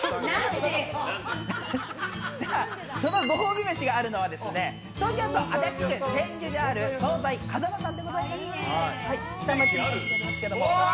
そのご褒美飯があるのは東京・足立区千住にある惣菜かざまさんでございます。